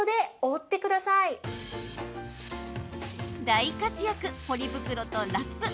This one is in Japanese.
大活躍、ポリ袋とラップ。